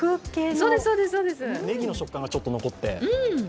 ネギの食感がちょっと残って。